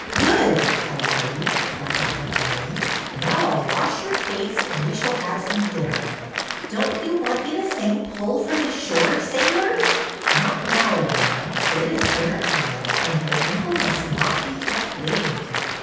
Good !" cried Betty, clapping her hands. Now I 'll wash your face and we shall have some dinner." Don't you want me to sing ' Pull for the Shore, Sailor'?" '' Not now, Edwyna, for it is dinner time, and your uncle must not be kept waiting."